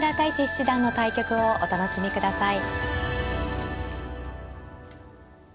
七段の対局をお楽しみください。